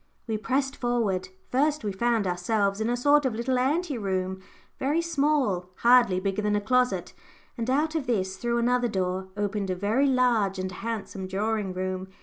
We pressed forward. First we found ourselves in a sort of little ante room, very small, hardly bigger than a closet, and out of this, through another door, opened a very large and handsome drawing room.